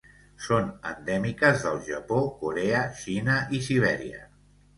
Són endèmiques del Japó, Corea, Xina i Sibèria.